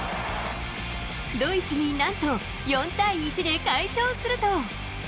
ドイツになんと４対１で快勝すると。